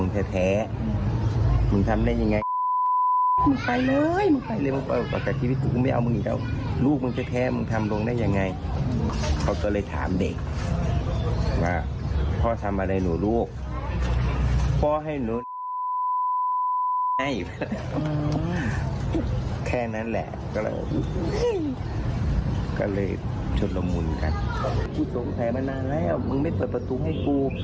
พี่ตรงแผลมานานแล้วมึงไม่เปิดประตูให้กู